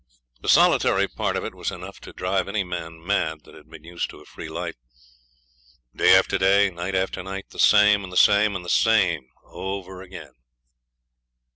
The solitary part of it was enough to drive any man mad that had been used to a free life. Day after day, night after night, the same and the same and the same over again.